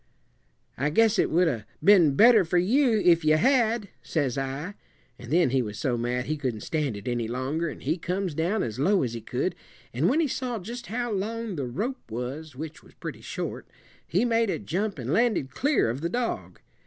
'I guess it would 'a' been better fur you if you had,' says I; an' then he was so mad he couldn't stand it any longer, and he comes down as low as he could, and when he saw just how long the rope was which was pretty short he made a jump and landed clear of the dog.